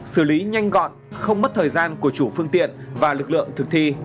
xử lý nhanh gọn không mất thời gian của chủ phương tiện và lực lượng thực thi